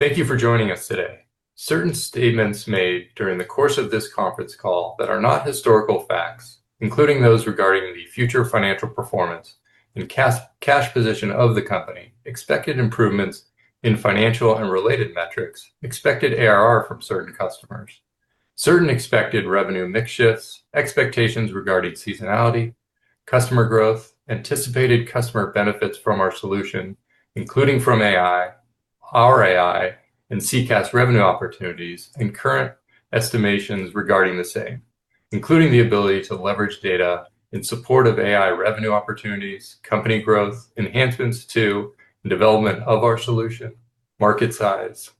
Thank you for joining us today. Certain statements made during the course of this conference call that are not historical facts, including those regarding the future financial performance and cash position of the company, expected improvements in financial and related metrics, expected ARR from certain customers, certain expected revenue mix shifts, expectations regarding seasonality, customer growth, anticipated customer benefits from our solution, including from AI, our AI, and CCaaS revenue opportunities, and current estimations regarding the same, including the ability to leverage data in support of AI revenue opportunities, company growth, enhancements to the development of our solution, market size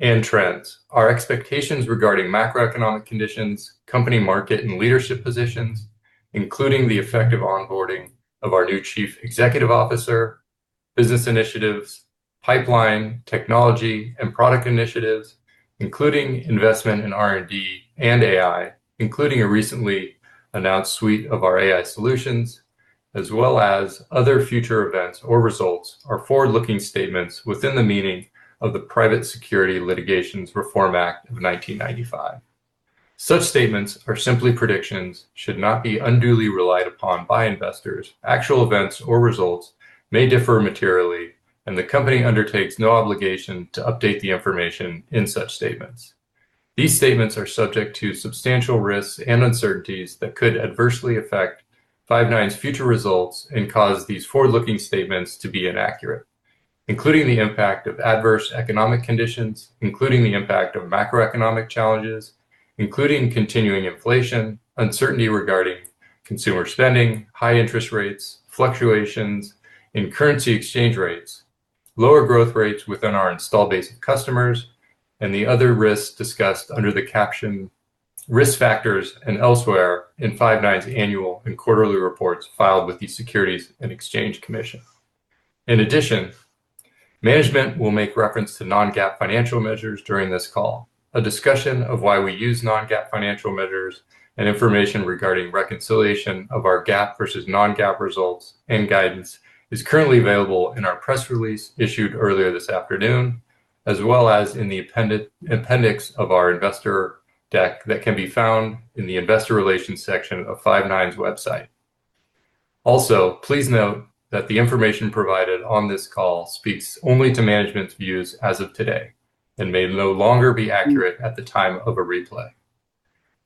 and trends. Our expectations regarding macroeconomic conditions, company market, and leadership positions, including the effective onboarding of our new chief executive officer, business initiatives, pipeline, technology, and product initiatives, including investment in R&D and AI, including a recently announced suite of our AI solutions, as well as other future events or results, are forward-looking statements within the meaning of the Private Securities Litigation Reform Act of 1995. Such statements are simply predictions, should not be unduly relied upon by investors. Actual events or results may differ materially, and the company undertakes no obligation to update the information in such statements. These statements are subject to substantial risks and uncertainties that could adversely affect Five9's future results and cause these forward-looking statements to be inaccurate, including the impact of adverse economic conditions, including the impact of macroeconomic challenges, including continuing inflation, uncertainty regarding consumer spending, high interest rates, fluctuations in currency exchange rates, lower growth rates within our install base of customers, and the other risks discussed under the caption "Risk Factors" and elsewhere in Five9's annual and quarterly reports filed with the Securities and Exchange Commission. In addition, management will make reference to non-GAAP financial measures during this call. A discussion of why we use non-GAAP financial measures and information regarding reconciliation of our GAAP versus non-GAAP results and guidance is currently available in our press release issued earlier this afternoon, as well as in the appendix of our investor deck that can be found in the investor relations section of Five9's website. Also, please note that the information provided on this call speaks only to management's views as of today and may no longer be accurate at the time of a replay.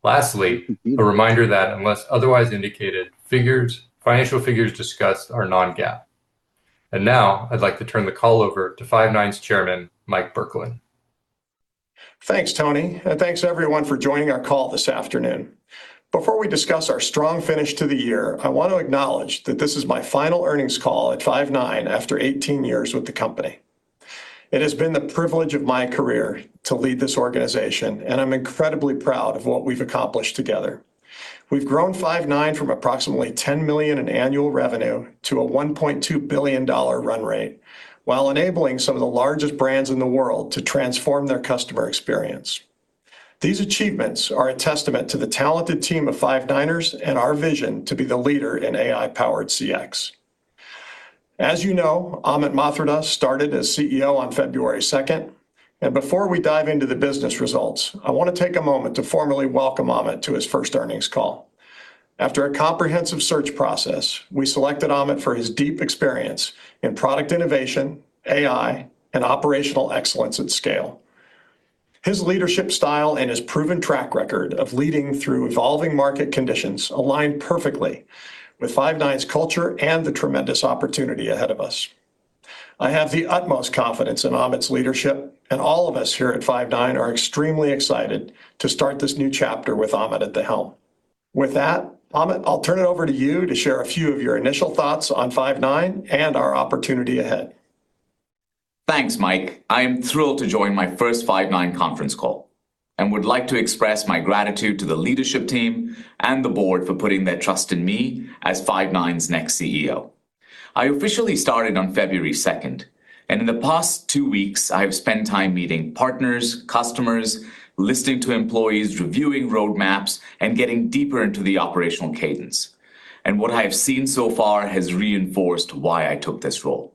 Lastly, a reminder that unless otherwise indicated, figures, financial figures discussed are non-GAAP. And now I'd like to turn the call over to Five9's Chairman, Mike Burkland. Thanks, Tony, and thanks everyone for joining our call this afternoon. Before we discuss our strong finish to the year, I want to acknowledge that this is my final earnings call at Five9 after 18 years with the company. It has been the privilege of my career to lead this organization, and I'm incredibly proud of what we've accomplished together. We've grown Five9 from approximately $10 million in annual revenue to a $1.2 billion run rate, while enabling some of the largest brands in the world to transform their customer experience. These achievements are a testament to the talented team of Five9ers and our vision to be the leader in AI-powered CX. As you know, Amit Mathradas started as CEO on February second, and before we dive into the business results, I want to take a moment to formally welcome Amit to his first earnings call. After a comprehensive search process, we selected Amit for his deep experience in product innovation, AI, and operational excellence at scale. His leadership style and his proven track record of leading through evolving market conditions align perfectly with Five9's culture and the tremendous opportunity ahead of us. I have the utmost confidence in Amit's leadership, and all of us here at Five9 are extremely excited to start this new chapter with Amit at the helm. With that, Amit, I'll turn it over to you to share a few of your initial thoughts on Five9 and our opportunity ahead. Thanks, Mike. I am thrilled to join my first Five9 conference call and would like to express my gratitude to the leadership team and the board for putting their trust in me as Five9's next CEO. I officially started on February 2, and in the past two weeks, I have spent time meeting partners, customers, listening to employees, reviewing roadmaps, and getting deeper into the operational cadence. What I have seen so far has reinforced why I took this role.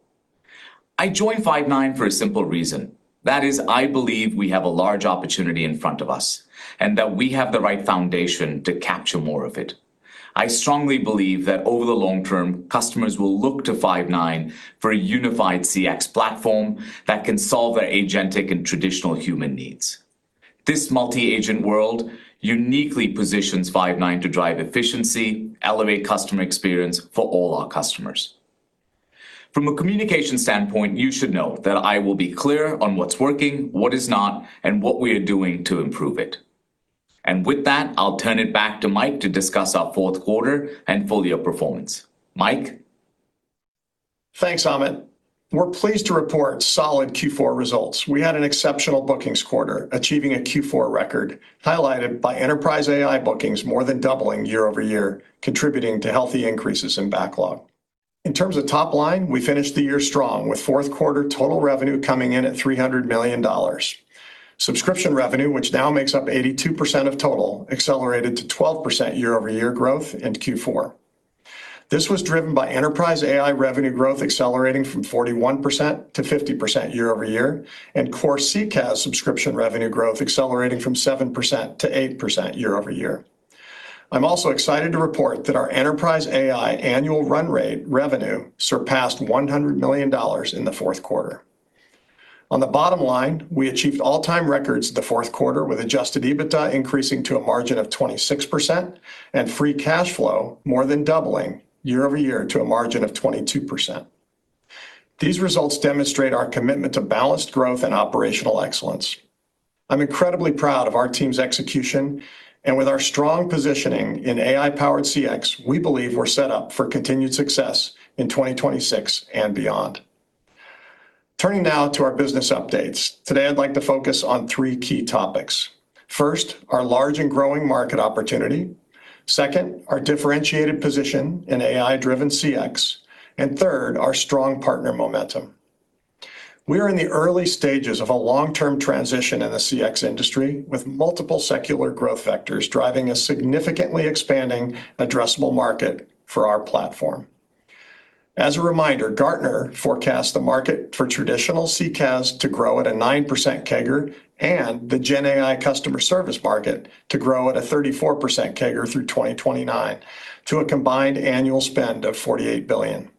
I joined Five9 for a simple reason. That is, I believe we have a large opportunity in front of us and that we have the right foundation to capture more of it. I strongly believe that over the long term, customers will look to Five9 for a unified CX platform that can solve their agentic and traditional human needs. This multi-agent world uniquely positions Five9 to drive efficiency, elevate customer experience for all our customers. From a communication standpoint, you should know that I will be clear on what's working, what is not, and what we are doing to improve it. And with that, I'll turn it back to Mike to discuss our fourth quarter and full-year performance. Mike? Thanks, Amit. We're pleased to report solid Q4 results. We had an exceptional bookings quarter, achieving a Q4 record, highlighted by enterprise AI bookings more than doubling year-over-year, contributing to healthy increases in backlog. In terms of top line, we finished the year strong, with fourth quarter total revenue coming in at $300 million. Subscription revenue, which now makes up 82% of total, accelerated to 12% year-over-year growth in Q4. This was driven by enterprise AI revenue growth accelerating from 41%-50% year-over-year, and core CCaaS subscription revenue growth accelerating from 7%-8% year-over-year. I'm also excited to report that our enterprise AI annual run rate revenue surpassed $100 million in the fourth quarter. On the bottom line, we achieved all-time records the fourth quarter, with adjusted EBITDA increasing to a margin of 26% and free cash flow more than doubling year-over-year to a margin of 22%. These results demonstrate our commitment to balanced growth and operational excellence. I'm incredibly proud of our team's execution, and with our strong positioning in AI-powered CX, we believe we're set up for continued success in 2026 and beyond. Turning now to our business updates. Today, I'd like to focus on three key topics. First, our large and growing market opportunity. Second, our differentiated position in AI-driven CX, and third, our strong partner momentum. We are in the early stages of a long-term transition in the CX industry, with multiple secular growth vectors driving a significantly expanding addressable market for our platform. As a reminder, Gartner forecasts the market for traditional CCaaS to grow at a 9% CAGR and the GenAI customer service market to grow at a 34% CAGR through 2029 to a combined annual spend of $48 billion.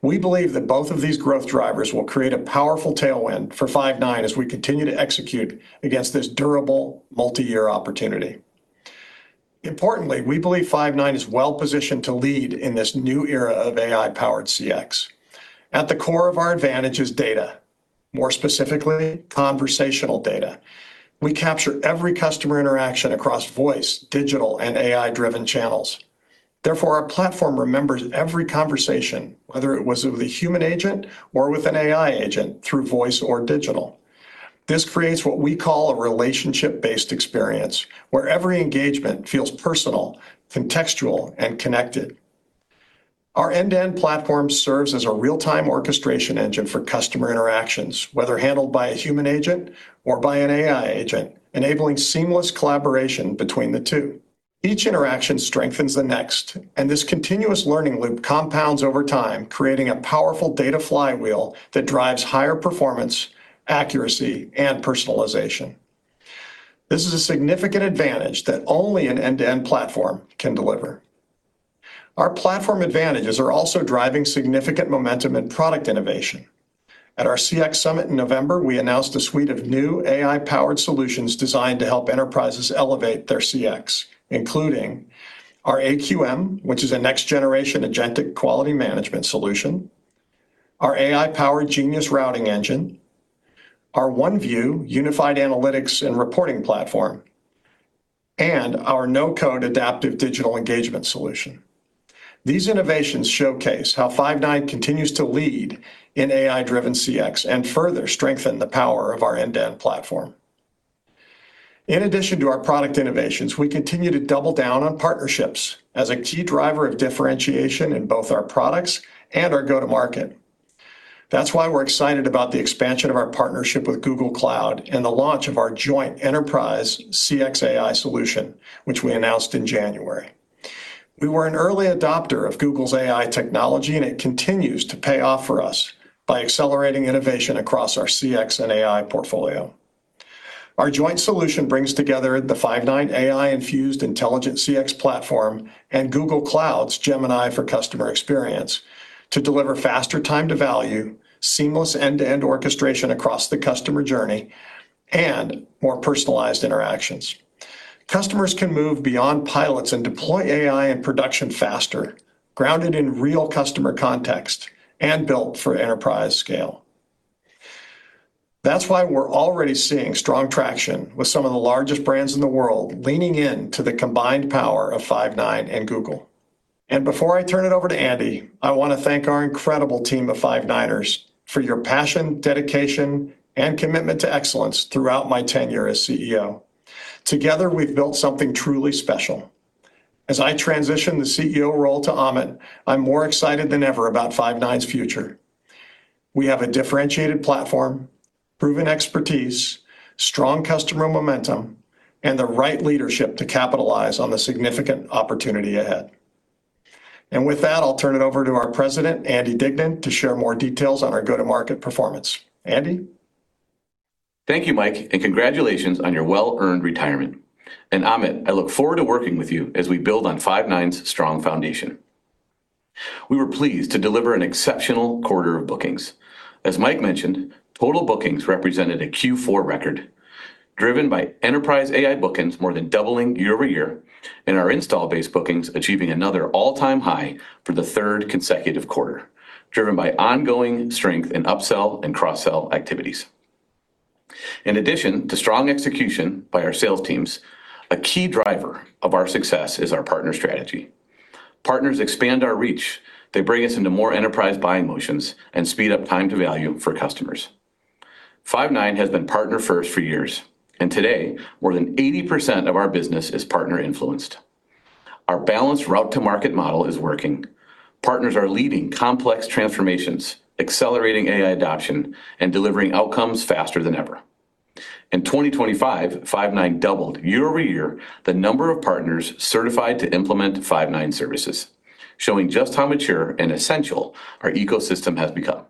We believe that both of these growth drivers will create a powerful tailwind for Five9 as we continue to execute against this durable multi-year opportunity. Importantly, we believe Five9 is well-positioned to lead in this new era of AI-powered CX. At the core of our advantage is data, more specifically, conversational data. We capture every customer interaction across voice, digital, and AI-driven channels. Therefore, our platform remembers every conversation, whether it was with a human agent or with an AI agent, through voice or digital. This creates what we call a relationship-based experience, where every engagement feels personal, contextual, and connected. Our end-to-end platform serves as a real-time orchestration engine for customer interactions, whether handled by a human agent or by an AI agent, enabling seamless collaboration between the two. Each interaction strengthens the next, and this continuous learning loop compounds over time, creating a powerful data flywheel that drives higher performance, accuracy, and personalization. This is a significant advantage that only an end-to-end platform can deliver. Our platform advantages are also driving significant momentum and product innovation. At our CX Summit in November, we announced a suite of new AI-powered solutions designed to help enterprises elevate their CX, including our AQM, which is a next generation agentic quality management solution, our AI-powered Genius Routing engine, our OneVUE unified analytics and reporting platform, and our no-code adaptive digital engagement solution. These innovations showcase how Five9 continues to lead in AI-driven CX and further strengthen the power of our end-to-end platform. In addition to our product innovations, we continue to double down on partnerships as a key driver of differentiation in both our products and our go-to-market. That's why we're excited about the expansion of our partnership with Google Cloud and the launch of our joint enterprise CX AI solution, which we announced in January. We were an early adopter of Google's AI technology, and it continues to pay off for us by accelerating innovation across our CX and AI portfolio. Our joint solution brings together the Five9 AI-infused Intelligent CX Platform and Google Cloud's Gemini for Customer Experience to deliver faster time to value, seamless end-to-end orchestration across the customer journey, and more personalized interactions. Customers can move beyond pilots and deploy AI in production faster, grounded in real customer context and built for enterprise scale. That's why we're already seeing strong traction with some of the largest brands in the world, leaning in to the combined power of Five9 and Google. And before I turn it over to Andy, I want to thank our incredible team of Five9ers for your passion, dedication, and commitment to excellence throughout my tenure as CEO. Together, we've built something truly special. As I transition the CEO role to Amit, I'm more excited than ever about Five9's future. We have a differentiated platform, proven expertise, strong customer momentum, and the right leadership to capitalize on the significant opportunity ahead. And with that, I'll turn it over to our president, Andy Dignan, to share more details on our go-to-market performance. Andy? Thank you, Mike, and congratulations on your well-earned retirement. And, Amit, I look forward to working with you as we build on Five9's strong foundation. We were pleased to deliver an exceptional quarter of bookings. As Mike mentioned, total bookings represented a Q4 record, driven by enterprise AI bookings more than doubling year-over-year, and our install base bookings achieving another all-time high for the third consecutive quarter, driven by ongoing strength in upsell and cross-sell activities. In addition to strong execution by our sales teams, a key driver of our success is our partner strategy. Partners expand our reach. They bring us into more enterprise buying motions and speed up time to value for customers. Five9 has been partner first for years, and today, more than 80% of our business is partner-influenced. Our balanced route to market model is working. Partners are leading complex transformations, accelerating AI adoption, and delivering outcomes faster than ever. In 2025, Five9 doubled year-over-year the number of partners certified to implement Five9 services, showing just how mature and essential our ecosystem has become.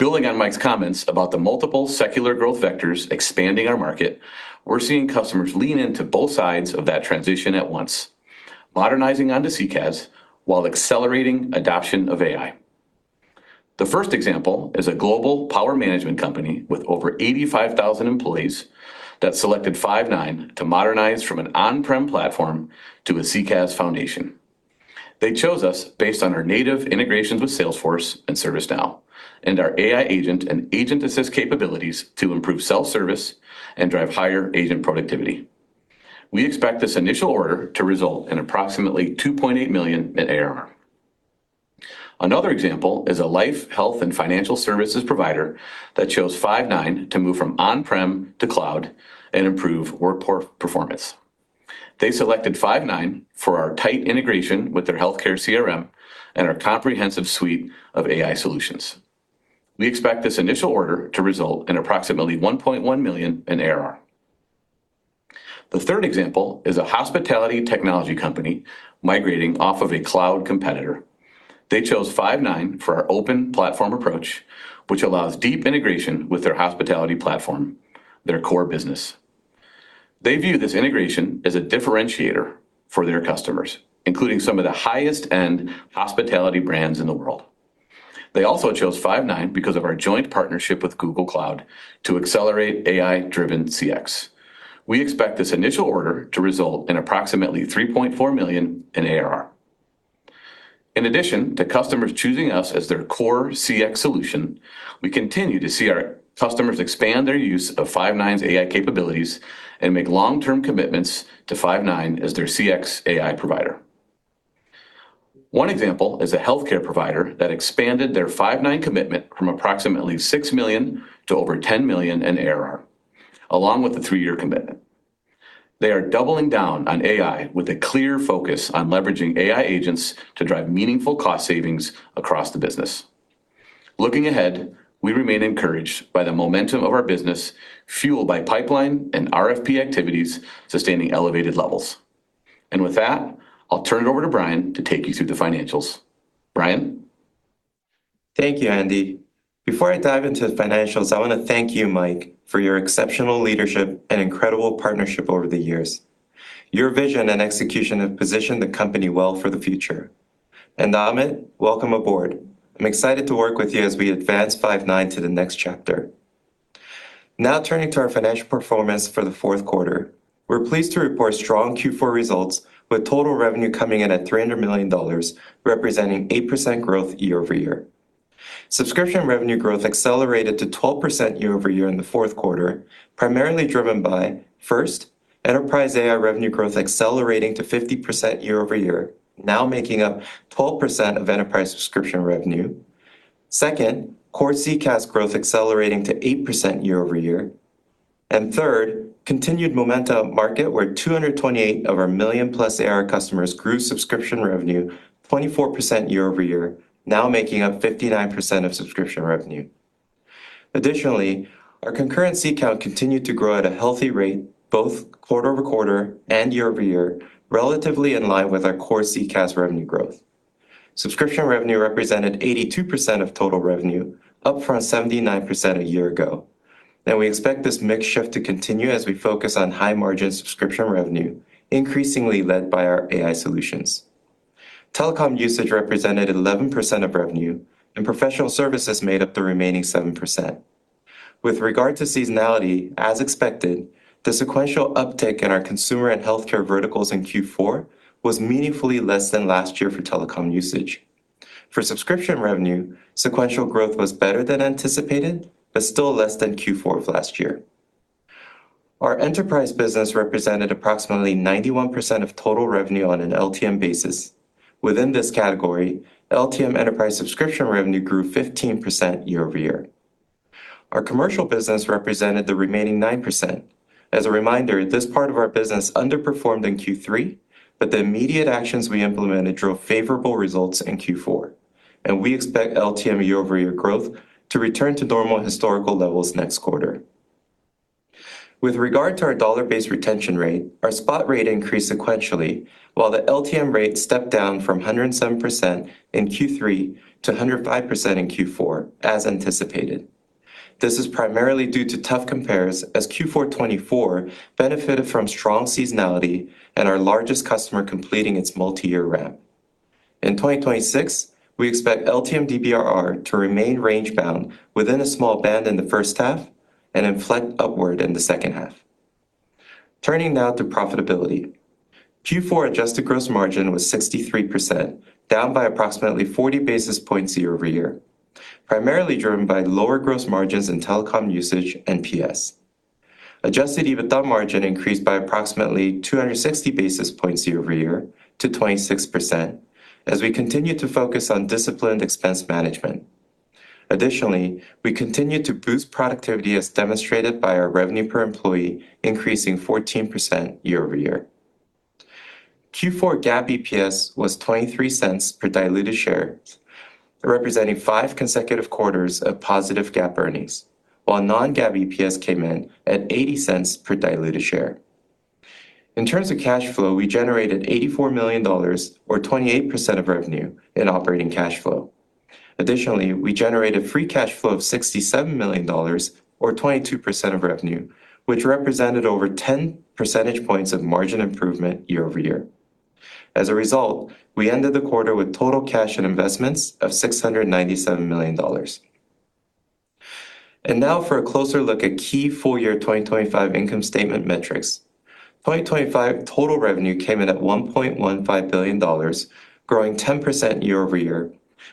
Building on Mike's comments about the multiple secular growth vectors expanding our market, we're seeing customers lean into both sides of that transition at once, modernizing onto CCaaS while accelerating adoption of AI. The first example is a global power management company with over 85,000 employees that selected Five9 to modernize from an on-prem platform to a CCaaS foundation. They chose us based on our native integrations with Salesforce and ServiceNow, and our AI agent and agent assist capabilities to improve self-service and drive higher agent productivity. We expect this initial order to result in approximately $2.8 million in ARR. Another example is a life, health, and financial services provider that chose Five9 to move from on-prem to cloud and improve workforce performance. They selected Five9 for our tight integration with their healthcare CRM and our comprehensive suite of AI solutions. We expect this initial order to result in approximately $1.1 million in ARR. The third example is a hospitality technology company migrating off of a cloud competitor. They chose Five9 for our open platform approach, which allows deep integration with their hospitality platform, their core business. They view this integration as a differentiator for their customers, including some of the highest-end hospitality brands in the world. They also chose Five9 because of our joint partnership with Google Cloud to accelerate AI-driven CX. We expect this initial order to result in approximately $3.4 million in ARR. In addition to customers choosing us as their core CX solution, we continue to see our customers expand their use of Five9's AI capabilities and make long-term commitments to Five9 as their CX AI provider. One example is a healthcare provider that expanded their Five9 commitment from approximately $6 million to over $10 million in ARR, along with a three-year commitment. They are doubling down on AI with a clear focus on leveraging AI agents to drive meaningful cost savings across the business. Looking ahead, we remain encouraged by the momentum of our business, fueled by pipeline and RFP activities, sustaining elevated levels. With that, I'll turn it over to Bryan to take you through the financials. Bryan? Thank you, Andy. Before I dive into the financials, I want to thank you, Mike, for your exceptional leadership and incredible partnership over the years. Your vision and execution have positioned the company well for the future. Amit, welcome aboard. I'm excited to work with you as we advance Five9 to the next chapter. Now, turning to our financial performance for the fourth quarter. We're pleased to report strong Q4 results, with total revenue coming in at $300 million, representing 8% growth year-over-year. Subscription revenue growth accelerated to 12% year-over-year in the fourth quarter, primarily driven by, first, enterprise AI revenue growth accelerating to 50% year-over-year, now making up 12% of enterprise subscription revenue. Second, core CCaaS growth accelerating to 8% year-over-year. And third, continued momentum market, where 228 of our $1 million-plus ARR customers grew subscription revenue 24% year-over-year, now making up 59% of subscription revenue. Additionally, our concurrent seat count continued to grow at a healthy rate, both quarter-over-quarter and year-over-year, relatively in line with our core CCaaS revenue growth. Subscription revenue represented 82% of total revenue, up from 79% a year ago. Now, we expect this mix shift to continue as we focus on high-margin subscription revenue, increasingly led by our AI solutions. Telecom usage represented 11% of revenue, and professional services made up the remaining 7%. With regard to seasonality, as expected, the sequential uptick in our consumer and healthcare verticals in Q4 was meaningfully less than last year for telecom usage. For subscription revenue, sequential growth was better than anticipated, but still less than Q4 of last year. Our enterprise business represented approximately 91% of total revenue on an LTM basis. Within this category, LTM enterprise subscription revenue grew 15% year-over-year. Our commercial business represented the remaining 9%. As a reminder, this part of our business underperformed in Q3, but the immediate actions we implemented drove favorable results in Q4, and we expect LTM year-over-year growth to return to normal historical levels next quarter. With regard to our dollar-based retention rate, our spot rate increased sequentially, while the LTM rate stepped down from 107% in Q3 to 105% in Q4, as anticipated. This is primarily due to tough compares, as Q4 2024 benefited from strong seasonality and our largest customer completing its multi-year ramp. In 2026, we expect LTM DBRR to remain range-bound within a small band in the first half and inflect upward in the second half. Turning now to profitability. Q4 adjusted gross margin was 63%, down by approximately 40 basis points year-over-year, primarily driven by lower gross margins in telecom usage and PS. Adjusted EBITDA margin increased by approximately 260 basis points year-over-year to 26% as we continue to focus on disciplined expense management. Additionally, we continue to boost productivity as demonstrated by our revenue per employee, increasing 14% year-over-year. Q4 GAAP EPS was $0.23 per diluted share, representing five consecutive quarters of positive GAAP earnings, while non-GAAP EPS came in at $0.80 per diluted share. In terms of cash flow, we generated $84 million, or 28% of revenue, in operating cash flow. Additionally, we generated free cash flow of $67 million, or 22% of revenue, which represented over 10 percentage points of margin improvement year-over-year. As a result, we ended the quarter with total cash and investments of $697 million. And now for a closer look at key full year 2025 income statement metrics. 2025 total revenue came in at $1.15 billion, growing 10% year-over-year,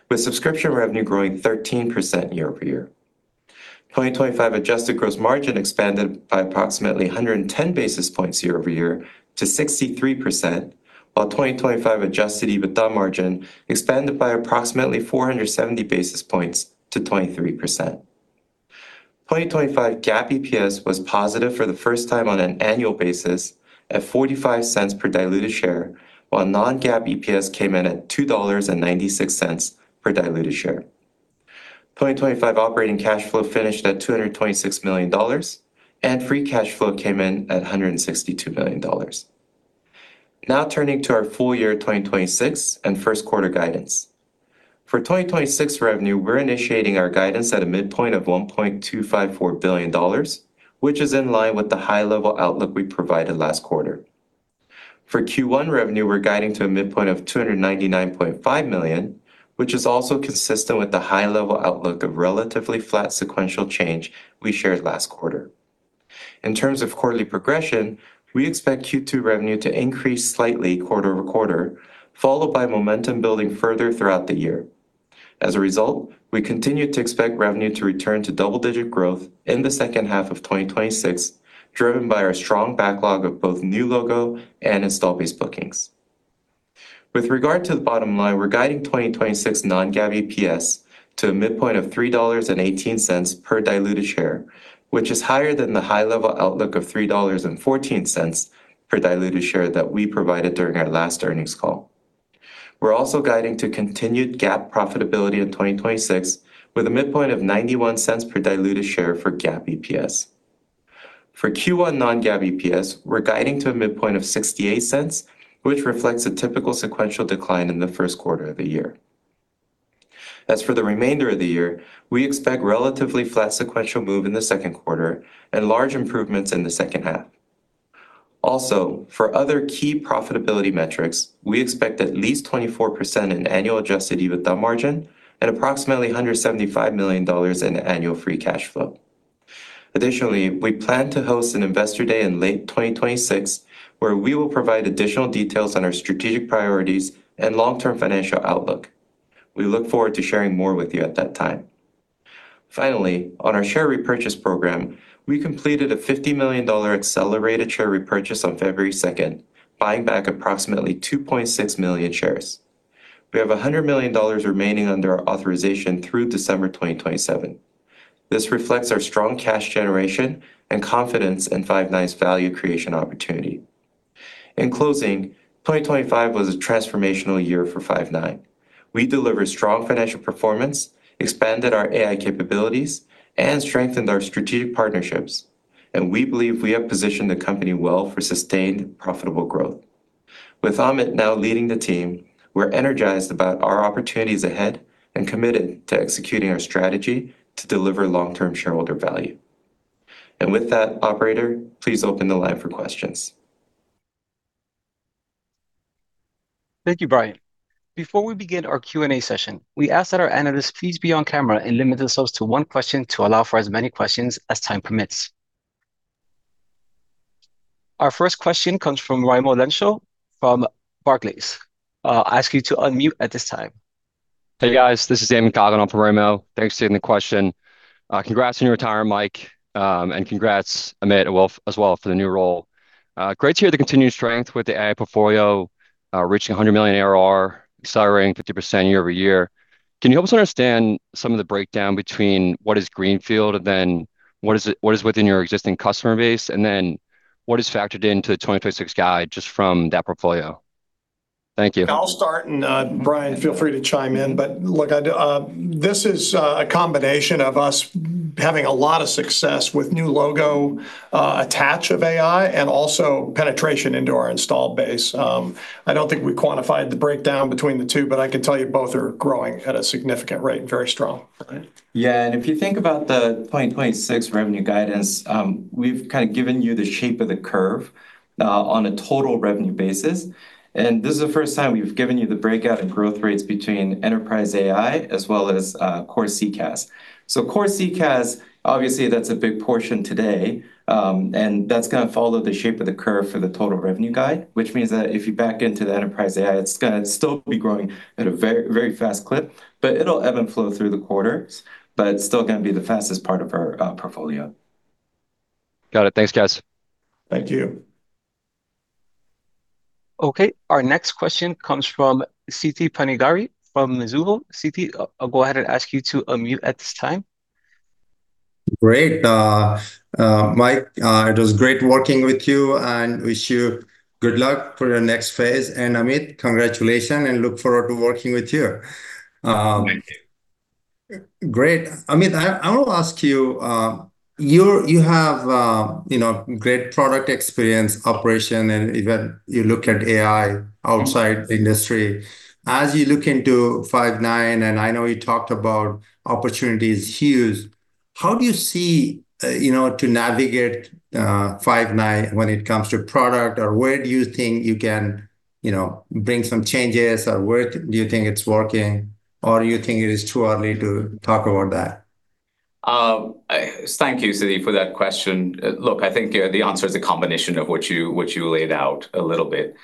with subscription revenue growing 13% year-over-year. 2025 adjusted gross margin expanded by approximately 110 basis points year-over-year to 63%, while 2025 adjusted EBITDA margin expanded by approximately 470 basis points to 23%. 2025 GAAP EPS was positive for the first time on an annual basis at $0.45 per diluted share, while non-GAAP EPS came in at $2.96 per diluted share. 2025 operating cash flow finished at $226 million, and free cash flow came in at $162 million. Now turning to our full year 2026 and first quarter guidance. For 2026 revenue, we're initiating our guidance at a midpoint of $1.254 billion, which is in line with the high level outlook we provided last quarter. For Q1 revenue, we're guiding to a midpoint of $299.5 million, which is also consistent with the high level outlook of relatively flat sequential change we shared last quarter. In terms of quarterly progression, we e`xpect Q2 revenue to increase slightly quarter-over-quarter, followed by momentum building further throughout the year. As a result, we continue to expect revenue to return to double-digit growth in the second half of 2026, driven by our strong backlog of both new logo and install base bookings. With regard to the bottom line, we're guiding 2026 non-GAAP EPS to a midpoint of $3.18 per diluted share, which is higher than the high level outlook of $3.14 per diluted share that we provided during our last earnings call. We're also guiding to continued GAAP profitability in 2026, with a midpoint of $0.91 per diluted share for GAAP EPS. For Q1 non-GAAP EPS, we're guiding to a midpoint of $0.68, which reflects a typical sequential decline in the first quarter of the year. As for the remainder of the year, we expect relatively flat sequential move in the second quarter and large improvements in the second half. Also, for other key profitability metrics, we expect at least 24% in annual adjusted EBITDA margin and approximately $175 million in annual free cash flow. Additionally, we plan to host an Investor Day in late 2026, where we will provide additional details on our strategic priorities and long-term financial outlook. We look forward to sharing more with you at that time. Finally, on our share repurchase program, we completed a $50 million accelerated share repurchase on February 2, buying back approximately 2.6 million shares. We have $100 million remaining under our authorization through December 2027. This reflects our strong cash generation and confidence in Five9's value creation opportunity. In closing, 2025 was a transformational year for Five9. We delivered strong financial performance, expanded our AI capabilities, and strengthened our strategic partnerships, and we believe we have positioned the company well for sustained profitable growth. With Amit now leading the team, we're energized about our opportunities ahead and committed to executing our strategy to deliver long-term shareholder value. With that, Operator, please open the line for questions. Thank you, Bryan. Before we begin our Q&A session, we ask that our analysts please be on camera and limit themselves to one question to allow for as many questions as time permits. Our first question comes from Raimo Lenschow from Barclays. I ask you to unmute at this time. Hey, guys, this is Giancarlo for Raimo. Thanks for taking the question. Congrats on your retirement, Mike, and congrats, Amit, well, as well, for the new role. Great to hear the continued strength with the AI portfolio, reaching $100 million ARR, accelerating 50% year-over-year. Can you help us understand some of the breakdown between what is greenfield, and then what is within your existing customer base, and then what is factored into the 2026 guide just from that portfolio? Thank you. I'll start, and, Bryan, feel free to chime in, but look, this is a combination of us having a lot of success with new logo attach of AI, and also penetration into our installed base. I don't think we quantified the breakdown between the two, but I can tell you both are growing at a significant rate, very strong. Yeah, and if you think about the 2026 revenue guidance, we've kind of given you the shape of the curve, on a total revenue basis, and this is the first time we've given you the breakout and growth rates between enterprise AI as well as core CCaaS. So core CCaaS, obviously, that's a big portion today, and that's gonna follow the shape of the curve for the total revenue guide, which means that if you back into the enterprise AI, it's gonna still be growing at a very, very fast clip, but it'll ebb and flow through the quarters, but it's still gonna be the fastest part of our portfolio. Got it. Thanks, guys. Thank you. Okay, our next question comes from Siti Panigrahi from Mizuho. Siti, I'll go ahead and ask you to unmute at this time.... Great. Mike, it was great working with you, and wish you good luck for your next phase. And, Amit, congratulations, and look forward to working with you. Thank you. Great. Amit, I want to ask you, you have, you know, great product experience, operation, and even you look at AI outside the industry. As you look into Five9, and I know you talked about opportunity is huge, how do you see, you know, to navigate, Five9 when it comes to product? Or where do you think you can, you know, bring some changes? Or where do you think it's working, or do you think it is too early to talk about that? Thank you, Siti, for that question. Look, I think the answer is a combination of what you laid out a little bit.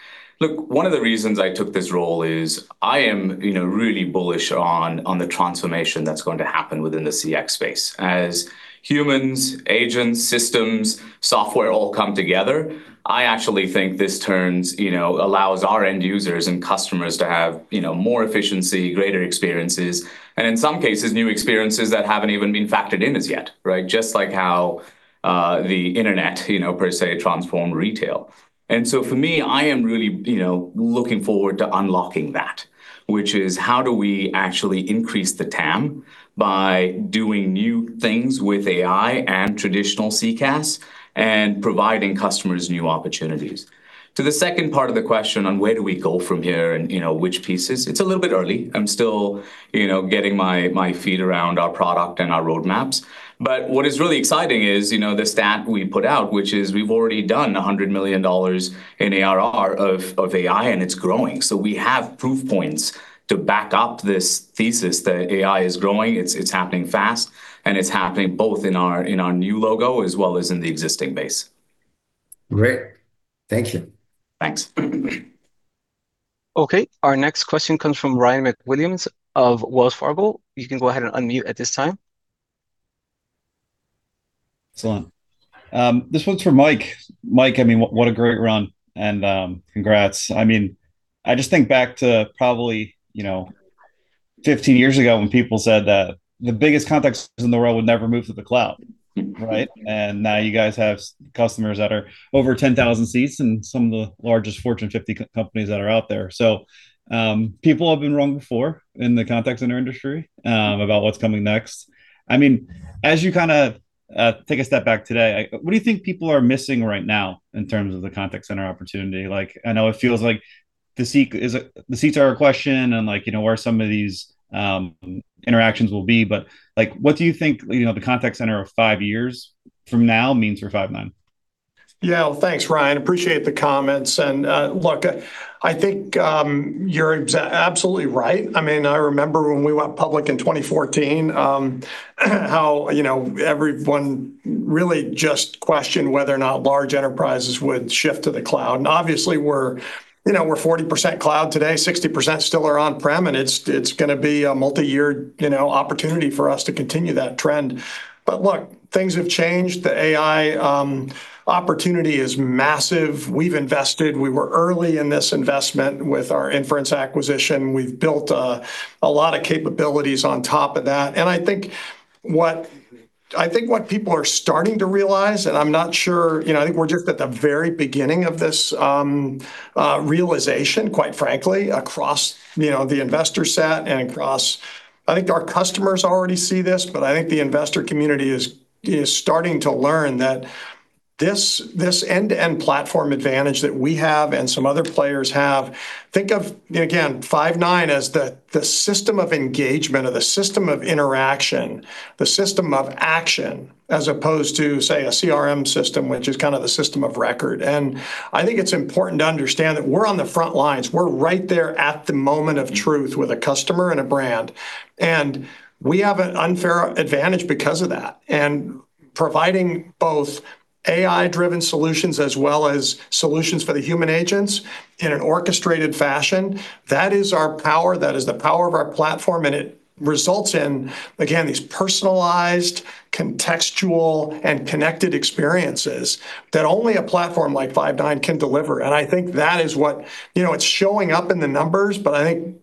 Look, one of the reasons I took this role is I am, you know, really bullish on the transformation that's going to happen within the CX space. As humans, agents, systems, software all come together, I actually think this turns... you know, allows our end users and customers to have, you know, more efficiency, greater experiences, and in some cases, new experiences that haven't even been factored in as yet, right? Just like how the internet, you know, per se, transformed retail. And so for me, I am really, you know, looking forward to unlocking that, which is: how do we actually increase the TAM by doing new things with AI and traditional CCaaS, and providing customers new opportunities? To the second part of the question on where do we go from here and, you know, which pieces, it's a little bit early. I'm still, you know, getting my feet around our product and our roadmaps. But what is really exciting is, you know, the stat we put out, which is we've already done $100 million in ARR of AI, and it's growing. So we have proof points to back up this thesis that AI is growing. It's happening fast, and it's happening both in our new logo, as well as in the existing base. Great. Thank you. Thanks. Okay, our next question comes from Ryan MacWilliams of Wells Fargo. You can go ahead and unmute at this time. Excellent. This one's for Mike. Mike, I mean, what a great run, and congrats. I mean, I just think back to probably, you know, 15 years ago when people said that the biggest contact centers in the world would never move to the cloud, right? And now you guys have customers that are over 10,000 seats and some of the largest Fortune 50 companies that are out there. So, people have been wrong before in the contact center industry about what's coming next. I mean, as you kinda take a step back today, what do you think people are missing right now in terms of the contact center opportunity? Like, I know it feels like the CCaaS is it, the seats are a question, and, like, you know, where some of these interactions will be. Like, what do you think, you know, the contact center of five years from now means for Five9? Yeah. Well, thanks, Ryan, appreciate the comments. And look, I think you're absolutely right. I mean, I remember when we went public in 2014, how, you know, everyone really just questioned whether or not large enterprises would shift to the cloud. And obviously, we're, you know, we're 40% cloud today, 60% still are on-prem, and it's gonna be a multiyear, you know, opportunity for us to continue that trend. But look, things have changed. The AI opportunity is massive. We've invested. We were early in this investment with our Inference acquisition. We've built a lot of capabilities on top of that. And I think what people are starting to realize, and I'm not sure. You know, I think we're just at the very beginning of this, realization, quite frankly, across, you know, the investor set and across. I think our customers already see this, but I think the investor community is starting to learn that this end-to-end platform advantage that we have and some other players have. Think of, again, Five9 as the system of engagement or the system of interaction, the system of action, as opposed to, say, a CRM system, which is kinda the system of record. And I think it's important to understand that we're on the front lines. We're right there at the moment of truth with a customer and a brand, and we have an unfair advantage because of that. And providing both AI-driven solutions as well as solutions for the human agents in an orchestrated fashion, that is our power. That is the power of our platform, and it results in, again, these personalized, contextual, and connected experiences that only a platform like Five9 can deliver, and I think that is what... You know, it's showing up in the numbers, but I think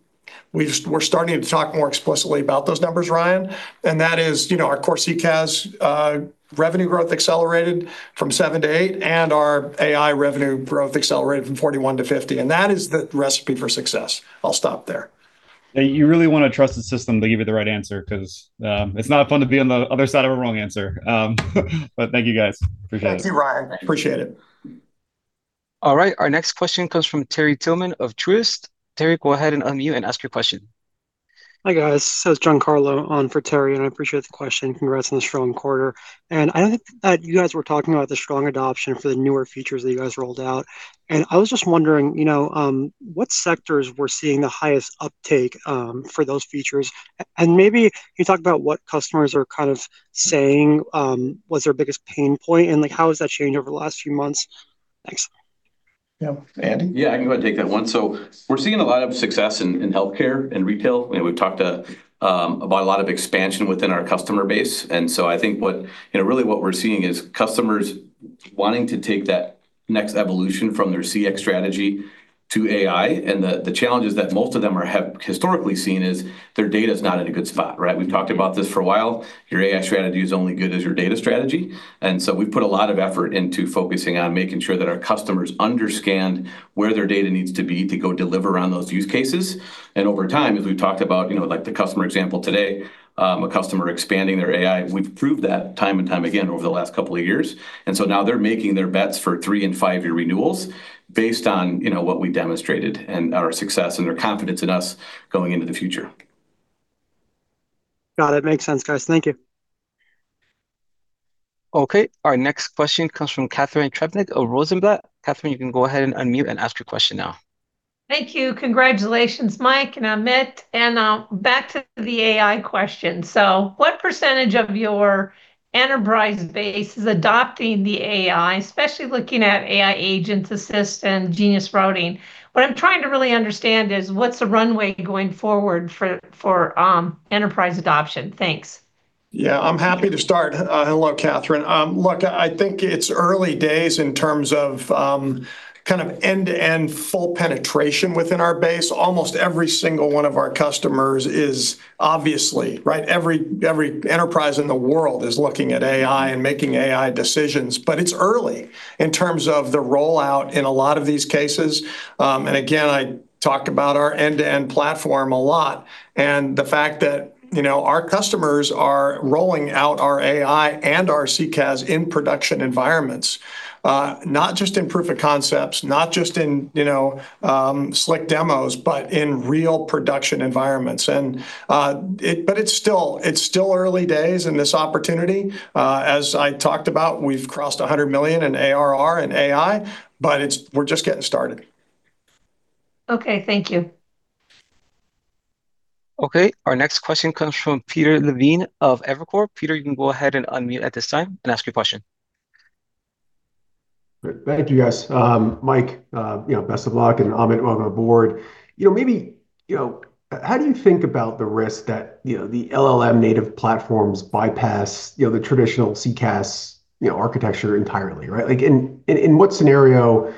we're starting to talk more explicitly about those numbers, Ryan. That is, you know, our core CCaaS revenue growth accelerated from 7%-8%, and our AI revenue growth accelerated from 41%-50%, and that is the recipe for success. I'll stop there. Yeah, you really want to trust the system to give you the right answer 'cause, it's not fun to be on the other side of a wrong answer. But thank you, guys. Appreciate it. Thank you, Ryan. Appreciate it. All right, our next question comes from Terry Tillman of Truist. Terry, go ahead and unmute and ask your question. Hi, guys. This is Giancarlo on for Terry, and I appreciate the question. Congrats on the strong quarter. I think that you guys were talking about the strong adoption for the newer features that you guys rolled out, and I was just wondering, you know, what sectors were seeing the highest uptake for those features? And maybe can you talk about what customers are kind of saying, what's their biggest pain point, and, like, how has that changed over the last few months? Thanks. Yeah, Andy? Yeah, I can go ahead and take that one. So we're seeing a lot of success in healthcare and retail, and we've talked about a lot of expansion within our customer base. And so I think what... you know, really what we're seeing is customers wanting to take that next evolution from their CX strategy to AI, and the challenges that most of them are, have historically seen is their data is not in a good spot, right? We've talked about this for a while. Your AI strategy is only good as your data strategy, and so we've put a lot of effort into focusing on making sure that our customers understand where their data needs to be to go deliver on those use cases. And over time, as we've talked about, you know, like the customer example today, a customer expanding their AI, we've proved that time and time again over the last couple of years. And so now they're making their bets for three and five-year renewals based on, you know, what we demonstrated and our success and their confidence in us going into the future. No, that makes sense, guys. Thank you. Okay, our next question comes from Catharine Trebnick of Rosenblatt. Catharine, you can go ahead and unmute and ask your question now. Thank you. Congratulations, Mike and Amit. And back to the AI question. So what percentage of your enterprise base is adopting the AI, especially looking at Agent Assist and Genius Routing? What I'm trying to really understand is, what's the runway going forward for enterprise adoption? Thanks. Yeah, I'm happy to start. Hello, Catharine. Look, I think it's early days in terms of, kind of end-to-end full penetration within our base. Almost every single one of our customers is obviously, right, every enterprise in the world is looking at AI and making AI decisions, but it's early in terms of the rollout in a lot of these cases. And again, I talked about our end-to-end platform a lot, and the fact that, you know, our customers are rolling out our AI and our CCaaS in production environments, not just in proof of concepts, not just in, you know, slick demos, but in real production environments. But it's still, it's still early days in this opportunity. As I talked about, we've crossed $100 million in ARR and AI, but it's, we're just getting started. Okay, thank you. Okay, our next question comes from Peter Levine of Evercore. Peter, you can go ahead and unmute at this time and ask your question. Thank you, guys. Mike, you know, best of luck, and Amit, welcome aboard. You know, maybe, you know, how do you think about the risk that, you know, the LLM native platforms bypass, you know, the traditional CCaaS, you know, architecture entirely, right? Like, in what scenario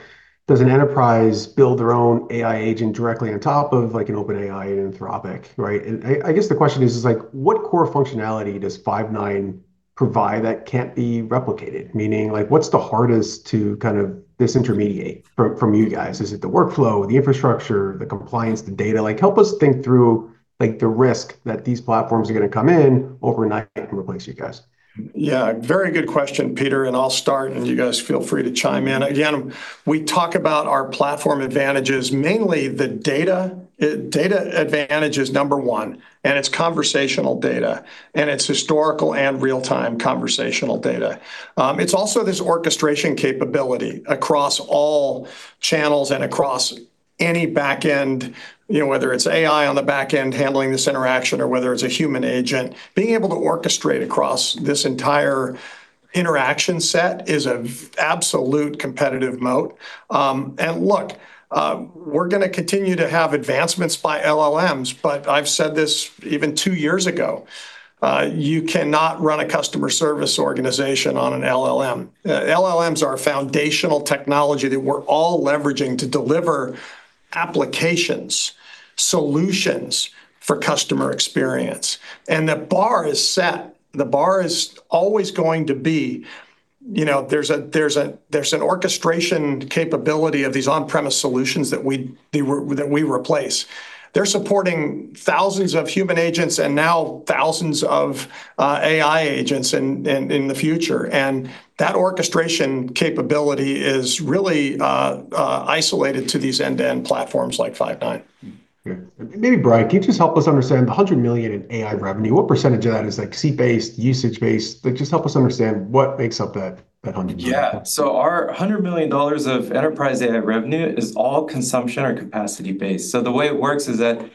does an enterprise build their own AI agent directly on top of, like, an OpenAI and Anthropic, right? And I guess the question is, like, what core functionality does Five9 provide that can't be replicated? Meaning, like, what's the hardest to kind of disintermediate from, from you guys? Is it the workflow, the infrastructure, the compliance, the data? Like, help us think through, like, the risk that these platforms are going to come in overnight and replace you guys. Yeah, very good question, Peter, and I'll start, and you guys feel free to chime in. Again, we talk about our platform advantages, mainly the data. Data advantage is number one, and it's conversational data, and it's historical and real-time conversational data. It's also this orchestration capability across all channels and across any back end, you know, whether it's AI on the back end, handling this interaction, or whether it's a human agent. Being able to orchestrate across this entire interaction set is an absolute competitive moat. And look, we're going to continue to have advancements by LLMs, but I've said this even two years ago, you cannot run a customer service organization on an LLM. LLMs are a foundational technology that we're all leveraging to deliver applications, solutions for customer experience, and the bar is set. The bar is always going to be... You know, there's an orchestration capability of these on-premise solutions that we replace. They're supporting thousands of human agents and now thousands of AI agents in the future, and that orchestration capability is really isolated to these end-to-end platforms like Five9. Yeah. Maybe, Bryan, can you just help us understand the $100 million in AI revenue, what percentage of that is, like, seat-based, usage-based? Like, just help us understand what makes up that $100 million. Yeah. So our $100 million of enterprise AI revenue is all consumption or capacity-based. So the way it works is that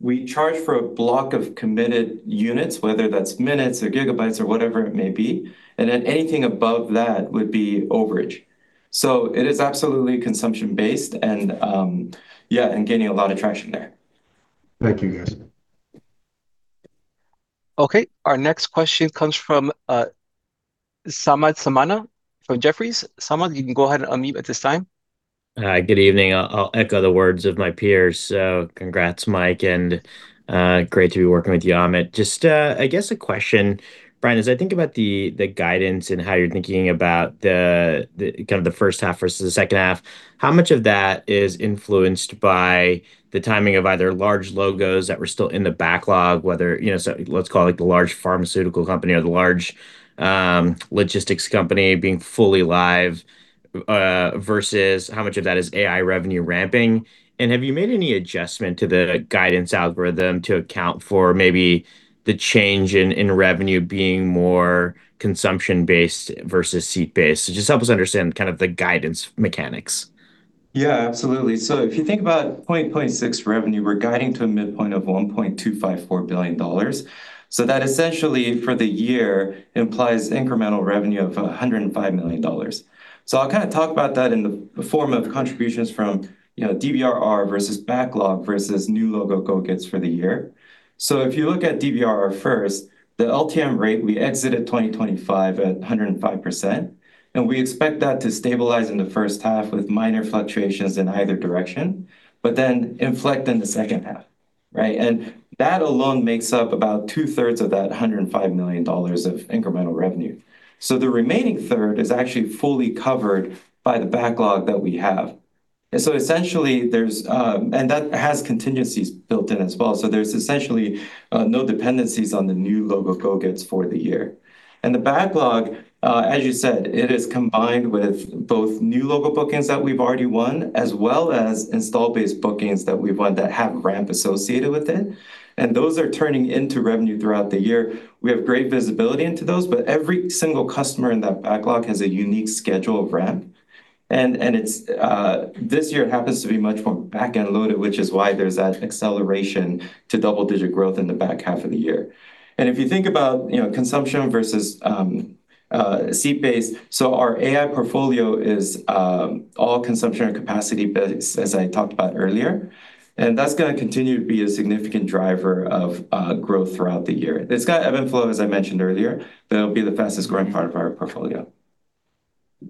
we charge for a block of committed units, whether that's minutes or gigabytes or whatever it may be, and then anything above that would be overage. So it is absolutely consumption-based, and, yeah, and gaining a lot of traction there. Thank you, guys. Okay, our next question comes from, Samad Samana from Jefferies. Samad, you can go ahead and unmute at this time. Good evening. I'll echo the words of my peers. So congrats, Mike, and great to be working with you, Amit. Just I guess a question, Bryan, as I think about the guidance and how you're thinking about the kind of the first half versus the second half, how much of that is influenced by the timing of either large logos that were still in the backlog, whether you know so let's call it the large pharmaceutical company or the large logistics company being fully live versus how much of that is AI revenue ramping? And have you made any adjustment to the guidance algorithm to account for maybe the change in revenue being more consumption-based versus seat-based? So just help us understand kind of the guidance mechanics. Yeah, absolutely. So if you think about [26%] revenue, we're guiding to a midpoint of $1.254 billion. So that essentially, for the year, implies incremental revenue of $105 million. So I'll kind of talk about that in the form of contributions from, you know, DBRR versus backlog versus new logo go-gets for the year. So if you look at DBRR first, the LTM rate, we exited 2025 at 105%, and we expect that to stabilize in the first half with minor fluctuations in either direction, but then inflect in the second half.... Right, and that alone makes up about 2/3 of that $105 million of incremental revenue. So the remaining third is actually fully covered by the backlog that we have. And so essentially there's and that has contingencies built in as well, so there's essentially no dependencies on the new logo go-gets for the year. And the backlog, as you said, it is combined with both new logo bookings that we've already won, as well as installed-base bookings that we've won that have ramp associated with it, and those are turning into revenue throughout the year. We have great visibility into those, but every single customer in that backlog has a unique schedule of ramp. It's this year it happens to be much more back-end loaded, which is why there's that acceleration to double-digit growth in the back half of the year. And if you think about, you know, consumption versus seat base, so our AI portfolio is all consumption and capacity base, as I talked about earlier, and that's gonna continue to be a significant driver of growth throughout the year. It's got ebb and flow, as I mentioned earlier, but it'll be the fastest growing part of our portfolio.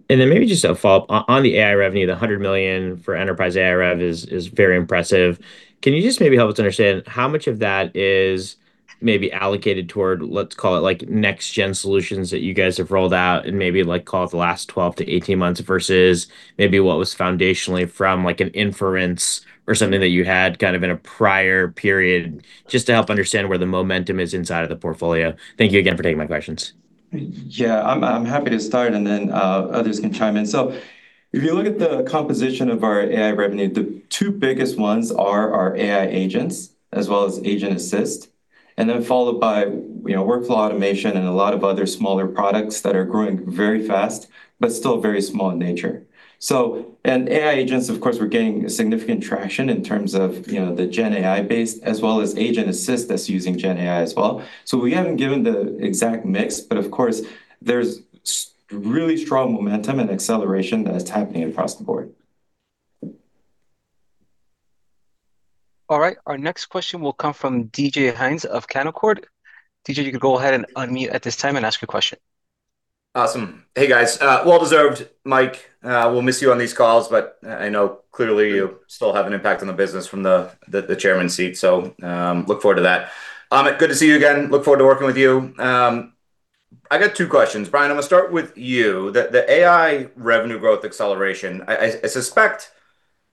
Then maybe just a follow-up. On, on the AI revenue, the $100 million for enterprise AI rev is, is very impressive. Can you just maybe help us understand how much of that is maybe allocated toward, let's call it, like, next gen solutions that you guys have rolled out in maybe, like, call it the last 12-18 months, versus maybe what was foundationally from, like, an inference or something that you had kind of in a prior period? Just to help understand where the momentum is inside of the portfolio. Thank you again for taking my questions. Yeah, I'm happy to start, and then others can chime in. So if you look at the composition of our AI revenue, the two biggest ones are our AI agents, as well as agent assist, and then followed by, you know, workflow automation and a lot of other smaller products that are growing very fast, but still very small in nature. So and AI agents, of course, we're gaining significant traction in terms of, you know, the gen AI base, as well as agent assist that's using gen AI as well. So we haven't given the exact mix, but of course there's really strong momentum and acceleration that is happening across the board. All right, our next question will come from DJ Hynes of Canaccord. DJ, you can go ahead and unmute at this time and ask your question. Awesome. Hey, guys. Well deserved, Mike. We'll miss you on these calls, but I know clearly you still have an impact on the business from the chairman seat, so look forward to that. Amit, good to see you again. Look forward to working with you. I got two questions. Bryan, I'm gonna start with you. The AI revenue growth acceleration, I suspect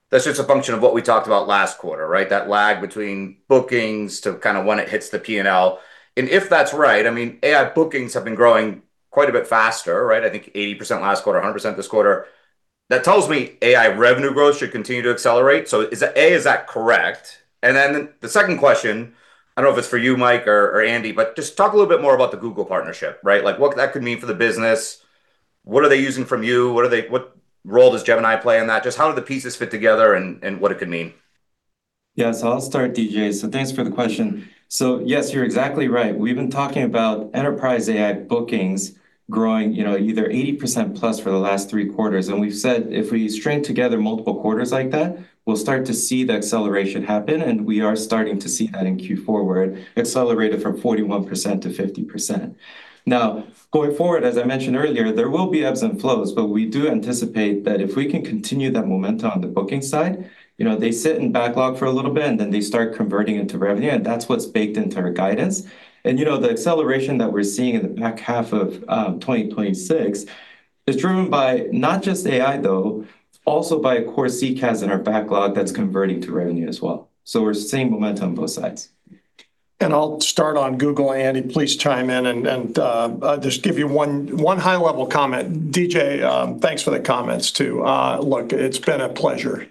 that's just a function of what we talked about last quarter, right? That lag between bookings to kinda when it hits the P&L. And if that's right, I mean, AI bookings have been growing quite a bit faster, right? I think 80% last quarter, 100% this quarter. That tells me AI revenue growth should continue to accelerate. So is that, A, is that correct? Then the second question, I don't know if it's for you, Mike or Andy, but just talk a little bit more about the Google partnership, right? Like, what that could mean for the business. What are they using from you? What role does Gemini play in that? Just how do the pieces fit together and what it could mean. Yeah, so I'll start, DJ, so thanks for the question. So yes, you're exactly right. We've been talking about enterprise AI bookings growing, you know, either 80%+ for the last three quarters, and we've said if we string together multiple quarters like that, we'll start to see the acceleration happen, and we are starting to see that in Q4, where it accelerated from 41%-50%. Now, going forward, as I mentioned earlier, there will be ebbs and flows, but we do anticipate that if we can continue that momentum on the booking side, you know, they sit in backlog for a little bit, and then they start converting into revenue, and that's what's baked into our guidance. You know, the acceleration that we're seeing in the back half of 2026 is driven by not just AI, though also by core CCaaS in our backlog that's converting to revenue as well. So we're seeing momentum on both sides. I'll start on Google, Andy, please chime in, and I'll just give you one high-level comment. DJ, thanks for the comments, too. Look, it's been a pleasure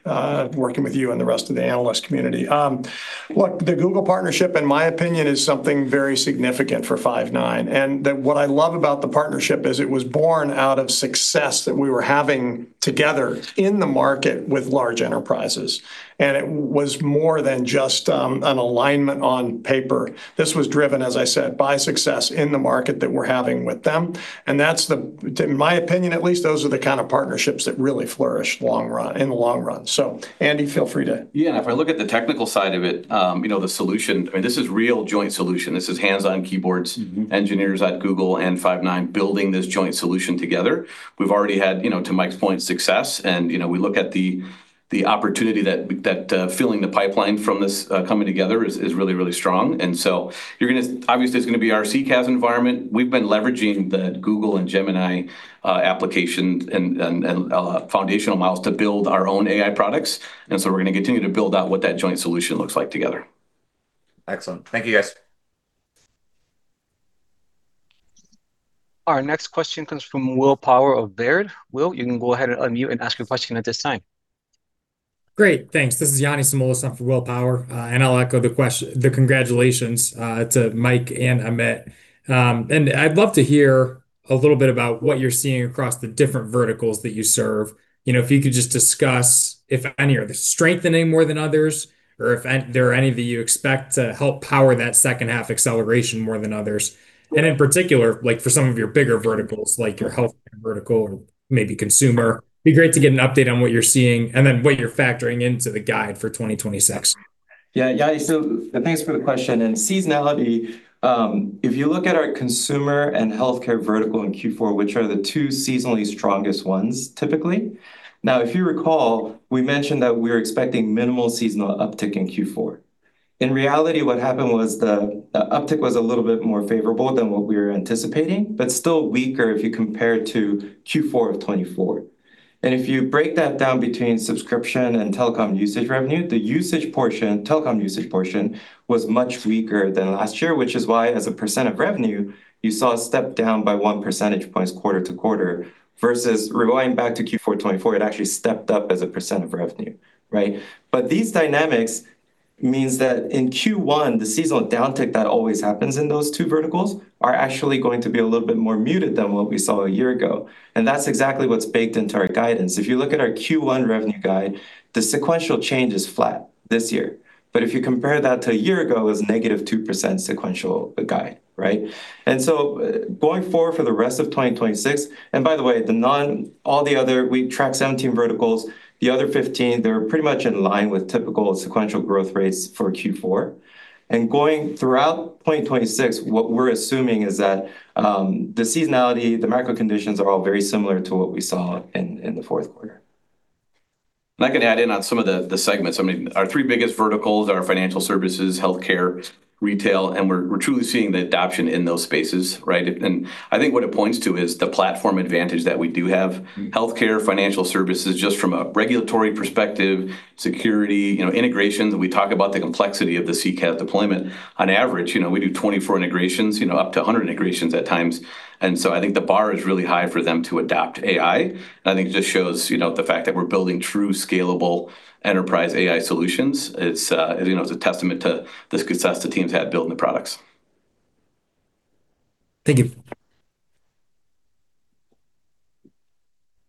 working with you and the rest of the analyst community. Look, the Google partnership, in my opinion, is something very significant for Five9, and that what I love about the partnership is it was born out of success that we were having together in the market with large enterprises, and it was more than just an alignment on paper. This was driven, as I said, by success in the market that we're having with them, and that's the... In my opinion, at least, those are the kind of partnerships that really flourish long run, in the long run. So Andy, feel free to- Yeah, if I look at the technical side of it, you know, the solution—I mean, this is real joint solution. This is hands-on keyboards- Mm-hmm. Engineers at Google and Five9 building this joint solution together. We've already had, you know, to Mike's point, success, and, you know, we look at the opportunity that filling the pipeline from this coming together is really, really strong. And so you're gonna... Obviously, it's gonna be our CCaaS environment. We've been leveraging the Google and Gemini application and foundational models to build our own AI products, and so we're gonna continue to build out what that joint solution looks like together. Excellent. Thank you, guys. Our next question comes from Will Power of Baird. Will, you can go ahead and unmute and ask your question at this time. Great, thanks. This is Yanni Samoilis for Will Power, and I'll echo the congratulations to Mike and Amit. And I'd love to hear a little bit about what you're seeing across the different verticals that you serve. You know, if you could just discuss, if any, are they strengthening more than others, or if there are any that you expect to help power that second half acceleration more than others? And in particular, like, for some of your bigger verticals, like your healthcare vertical or maybe consumer. It'd be great to get an update on what you're seeing and then what you're factoring into the guide for 2026. Yeah, Yanni, so thanks for the question. Seasonality, if you look at our consumer and healthcare vertical in Q4, which are the two seasonally strongest ones typically. Now, if you recall, we mentioned that we're expecting minimal seasonal uptick in Q4. In reality, what happened was the uptick was a little bit more favorable than what we were anticipating, but still weaker if you compare it to Q4 of 2024. If you break that down between subscription and telecom usage revenue, the usage portion, telecom usage portion was much weaker than last year, which is why, as a percent of revenue, you saw a step down by 1 percentage points quarter to quarter, versus rewinding back to Q4 2024, it actually stepped up as a percent of revenue, right? But these dynamics means that in Q1, the seasonal downtick that always happens in those two verticals are actually going to be a little bit more muted than what we saw a year ago, and that's exactly what's baked into our guidance. If you look at our Q1 revenue guide, the sequential change is flat this year. But if you compare that to a year ago, it was negative 2% sequential guide, right? And so going forward for the rest of 2026—And by the way, all the other... We track 17 verticals, the other 15, they're pretty much in line with typical sequential growth rates for Q4. And going throughout 2026, what we're assuming is that, the seasonality, the macro conditions are all very similar to what we saw in the fourth quarter. And I can add in on some of the segments. I mean, our three biggest verticals are financial services, healthcare, retail, and we're truly seeing the adoption in those spaces, right? And I think what it points to is the platform advantage that we do have. Healthcare, financial services, just from a regulatory perspective, security, you know, integrations, and we talk about the complexity of the CCaaS deployment. On average, you know, we do 24 integrations, you know, up to 100 integrations at times, and so I think the bar is really high for them to adopt AI. And I think it just shows, you know, the fact that we're building true scalable enterprise AI solutions. It's, you know, it's a testament to the success the teams had building the products. Thank you.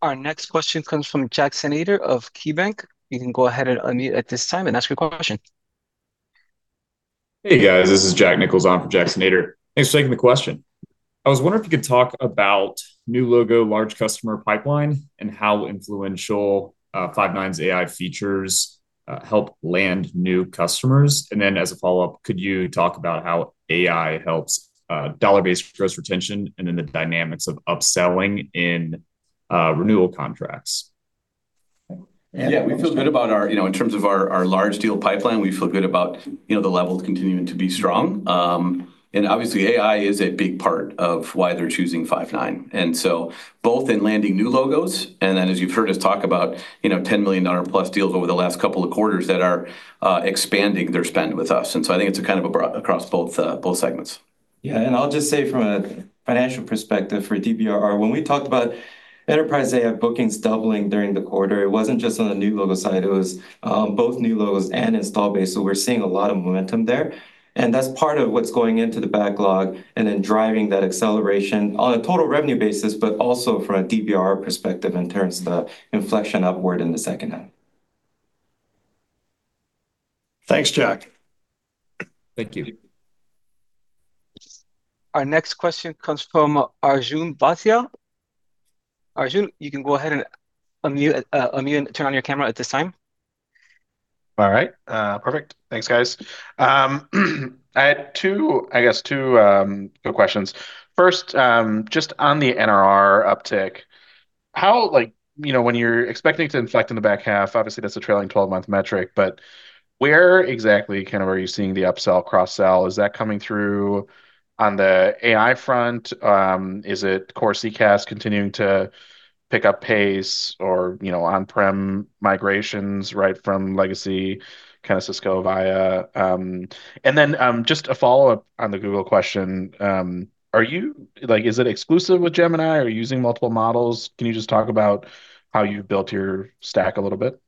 Our next question comes from Jackson Ader of KeyBanc. You can go ahead and unmute at this time and ask your question. Hey, guys, this is Jack Nichols on for Jackson Ader. Thanks for taking the question. I was wondering if you could talk about new logo, large customer pipeline, and how influential Five9's AI features help land new customers. And then, as a follow-up, could you talk about how AI helps dollar-based gross retention and then the dynamics of upselling in renewal contracts? Yeah, we feel good about our you know, in terms of our, our large deal pipeline, we feel good about, you know, the levels continuing to be strong. And obviously, AI is a big part of why they're choosing Five9. And so both in landing new logos, and then, as you've heard us talk about, you know, $10 million plus deals over the last couple of quarters that are expanding their spend with us. And so I think it's a kind of across both, both segments. Yeah, and I'll just say from a financial perspective for DBRR, when we talked about enterprise AI bookings doubling during the quarter, it wasn't just on the new logo side, it was both new logos and install base, so we're seeing a lot of momentum there, and that's part of what's going into the backlog and then driving that acceleration on a total revenue basis, but also from a DBR perspective in terms of the inflection upward in the second half. Thanks, Jack. Thank you. Our next question comes from Arjun Bhatia. Arjun, you can go ahead and unmute and turn on your camera at this time. All right, perfect. Thanks, guys. I had two, I guess, two quick questions. First, just on the NRR uptick, how, like, you know, when you're expecting to inflect in the back half, obviously, that's a trailing 12-month metric, but where exactly kind of are you seeing the upsell, cross-sell? Is that coming through on the AI front? Is it core CCaaS continuing to pick up pace or, you know, on-prem migrations, right, from legacy, kind of Cisco VIA? And then, just a follow-up on the Google question. Are you? Like, is it exclusive with Gemini, are you using multiple models? Can you just talk about how you've built your stack a little bit?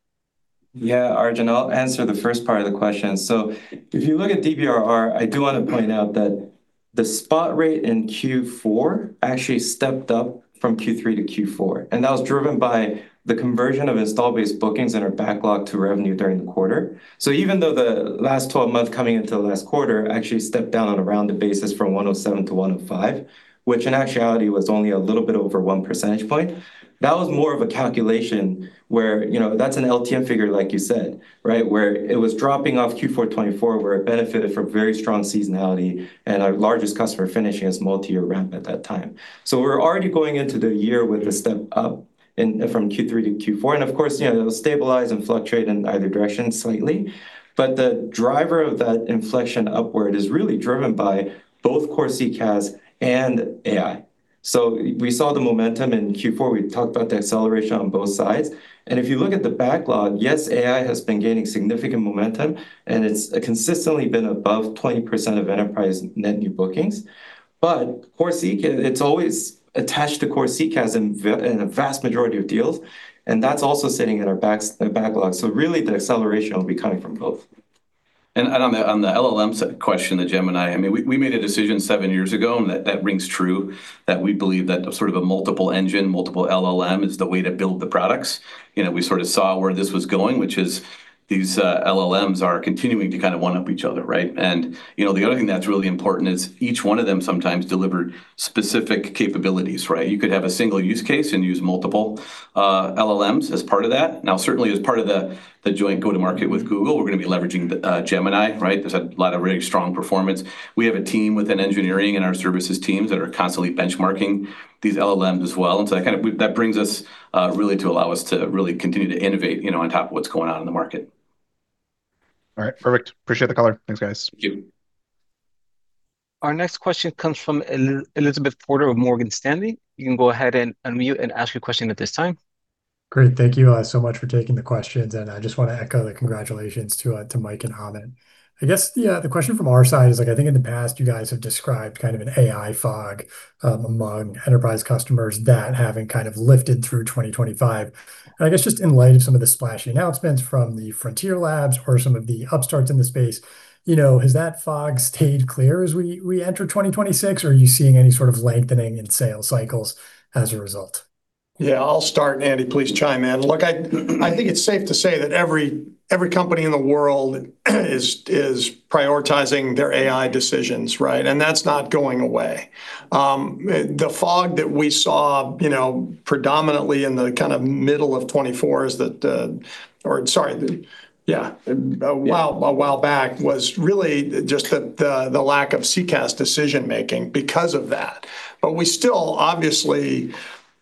Yeah, Arjun, I'll answer the first part of the question. So if you look at DBRR, I do want to point out that the spot rate in Q4 actually stepped up from Q3 to Q4, and that was driven by the conversion of install-based bookings in our backlog to revenue during the quarter. So even though the last 12 months coming into last quarter actually stepped down on a rounded basis from 107 to 105, which in actuality was only a little bit over 1 percentage point, that was more of a calculation where, you know, that's an LTM figure, like you said, right? Where it was dropping off Q4 2024, where it benefited from very strong seasonality and our largest customer finishing its multi-year ramp at that time. So we're already going into the year with a step up in, from Q3 to Q4, and of course, you know, it'll stabilize and fluctuate in either direction slightly. But the driver of that inflection upward is really driven by both core CCaaS and AI. So we saw the momentum in Q4. We talked about the acceleration on both sides, and if you look at the backlog, yes, AI has been gaining significant momentum, and it's consistently been above 20% of enterprise net new bookings. But core CCaaS, it's always attached to core CCaaS in a vast majority of deals, and that's also sitting in our backlog. So really, the acceleration will be coming from both. And on the LLM question, the Gemini, I mean, we made a decision seven years ago, and that rings true, that we believe that a sort of a multiple engine, multiple LLM is the way to build the products. You know, we sort of saw where this was going, which is these LLMs are continuing to kind of one-up each other, right? And, you know, the other thing that's really important is each one of them sometimes deliver specific capabilities, right? You could have a single use case and use multiple LLMs as part of that. Now, certainly, as part of the joint go-to-market with Google, we're gonna be leveraging the Gemini, right? There's a lot of really strong performance. We have a team within engineering and our services teams that are constantly benchmarking these LLMs as well, and so that kind of... That brings us really to allow us to really continue to innovate, you know, on top of what's going on in the market. All right, perfect. Appreciate the color. Thanks, guys. Thank you.... Our next question comes from Elizabeth Porter of Morgan Stanley. You can go ahead and unmute and ask your question at this time. Great. Thank you, so much for taking the questions, and I just want to echo the congratulations to Mike and Amit. I guess the question from our side is, like, I think in the past you guys have described kind of an AI fog among enterprise customers that having kind of lifted through 2025. And I guess just in light of some of the splashy announcements from the Frontier Labs or some of the upstarts in the space, you know, has that fog stayed clear as we enter 2026, or are you seeing any sort of lengthening in sales cycles as a result? Yeah, I'll start, and Andy, please chime in. Look, I, I think it's safe to say that every, every company in the world is, is prioritizing their AI decisions, right? And that's not going away. The fog that we saw, you know, predominantly in the kind of middle of 2024 is that... Or sorry, the-- Yeah. Yeah. A while back was really just the lack of CCaaS decision-making because of that. But we still obviously,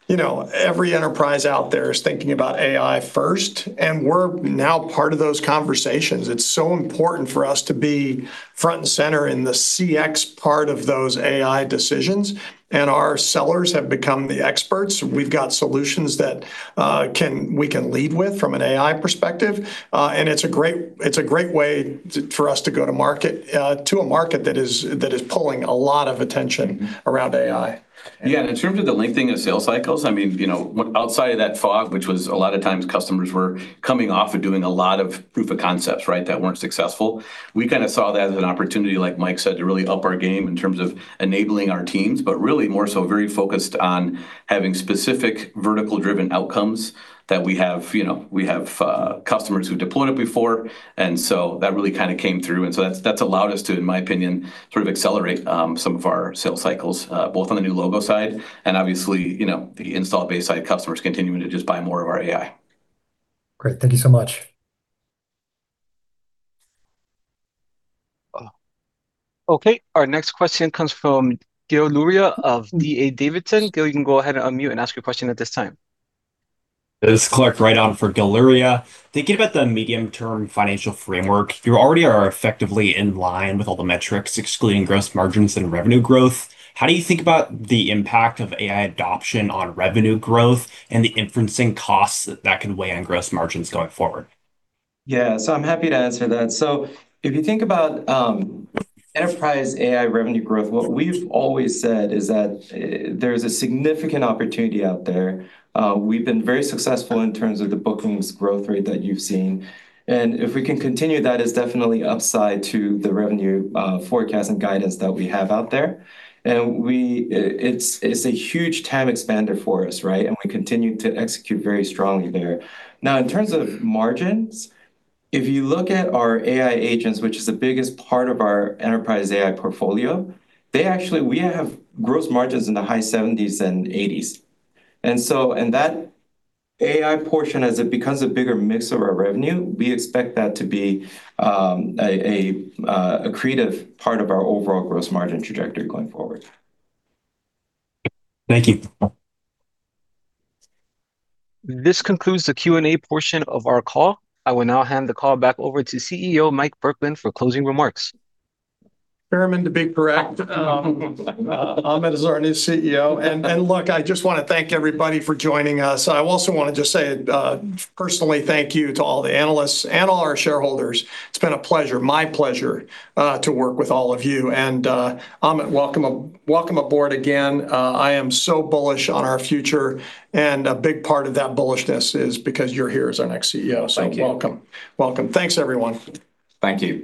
you know, every enterprise out there is thinking about AI first, and we're now part of those conversations. It's so important for us to be front and center in the CX part of those AI decisions, and our sellers have become the experts. We've got solutions that we can lead with from an AI perspective, and it's a great way for us to go to market to a market that is pulling a lot of attention. Mm-hmm. -around AI. Yeah, in terms of the lengthening of sales cycles, I mean, you know, outside of that fog, which was a lot of times customers were coming off and doing a lot of proof of concepts, right, that weren't successful. We kinda saw that as an opportunity, like Mike said, to really up our game in terms of enabling our teams, but really more so very focused on having specific vertical-driven outcomes that we have. You know, we have customers who deployed it before, and so that really kinda came through, and so that's, that's allowed us to, in my opinion, sort of accelerate some of our sales cycles, both on the new logo side and obviously, you know, the install base side, customers continuing to just buy more of our AI. Great. Thank you so much. Okay, our next question comes from Gil Luria of D.A. Davidson. Gil, you can go ahead and unmute and ask your question at this time. This is Clark Wright on for Gil Luria. Thinking about the medium-term financial framework, you already are effectively in line with all the metrics, excluding gross margins and revenue growth. How do you think about the impact of AI adoption on revenue growth and the inferencing costs that that can weigh on gross margins going forward? Yeah, so I'm happy to answer that. So if you think about enterprise AI revenue growth, what we've always said is that there's a significant opportunity out there. We've been very successful in terms of the bookings growth rate that you've seen, and if we can continue, that is definitely upside to the revenue forecast and guidance that we have out there. And we... It's a huge TAM expander for us, right? And we continue to execute very strongly there. Now, in terms of margins, if you look at our AI agents, which is the biggest part of our enterprise AI portfolio, they actually—we have gross margins in the high 70s and 80s. That AI portion, as it becomes a bigger mix of our revenue, we expect that to be an accretive part of our overall gross margin trajectory going forward. Thank you. This concludes the Q&A portion of our call. I will now hand the call back over to CEO Mike Burkland for closing remarks. Chairman, to be correct, Amit is our new CEO. And, and look, I just want to thank everybody for joining us. I also want to just say, personally thank you to all the analysts and all our shareholders. It's been a pleasure, my pleasure, to work with all of you. And, Amit, welcome aboard again. I am so bullish on our future, and a big part of that bullishness is because you're here as our next CEO. Thank you. Welcome. Welcome. Thanks, everyone. Thank you.